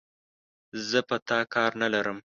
زه په تا کار نه لرم،